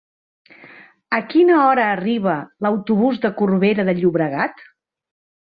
A quina hora arriba l'autobús de Corbera de Llobregat?